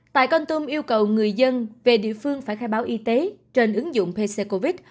tại con tum yêu cầu người dân về địa phương phải khai báo y tế trên ứng dụng pc covid